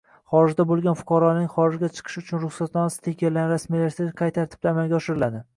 Xorijda bo‘lgan fuqarolarning xorijga chiqish uchun ruxsatnoma stikerini rasmiylashtirishi qay tartibda amalga oshiriladi?